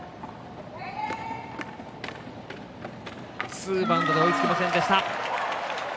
ツーバウンドで追いつけませんでした。